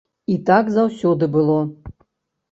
І так заўсёды было!